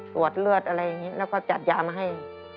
ตรวจเลือดอะไรอย่างนี้แล้วก็จัดยามาให้